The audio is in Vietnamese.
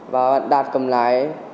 và bạn đạt cầm lái